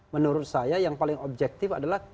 menurut saya yang paling objektif adalah